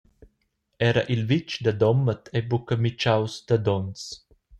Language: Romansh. Era il vitg da Domat ei buca mitschaus da donns.